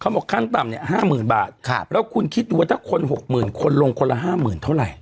บอกขั้นต่ำเนี่ย๕๐๐๐บาทแล้วคุณคิดดูว่าถ้าคน๖๐๐๐คนลงคนละห้าหมื่นเท่าไหร่